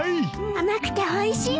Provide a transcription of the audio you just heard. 甘くておいしいわ。